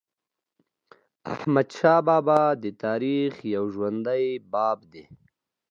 احمدشاه بابا د تاریخ یو ژوندی باب دی.